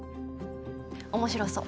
面白そう。